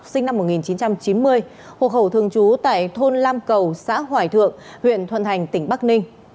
sinh năm một nghìn chín trăm chín mươi hộ khẩu thường trú tại thôn lam cầu xã hoài thượng huyện thuận thành tỉnh bắc ninh